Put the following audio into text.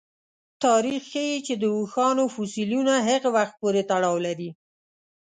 تاریخ ښيي چې د اوښانو فسیلونه هغه وخت پورې تړاو لري.